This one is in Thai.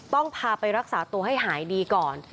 ต้องพาไปรักษาตัวให้หายดีก่อน